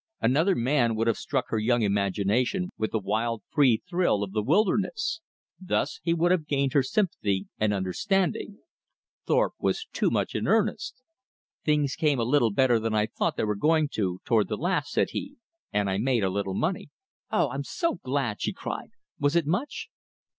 Another man would have struck her young imagination with the wild, free thrill of the wilderness. Thus he would have gained her sympathy and understanding. Thorpe was too much in earnest. "Things came a little better than I thought they were going to, toward the last," said he, "and I made a little money." "Oh, I'm so glad!" she cried. "Was it much?"